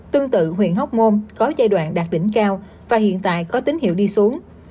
tương tự huyện hóc môn có giai đoạn đạt đỉnh cao và hiện tại có tín hiệu đi xuống